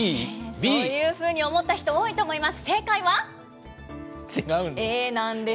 そういうふうに思った人、多いと思います。